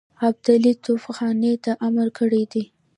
ابدالي توپخانې ته امر کړی دی.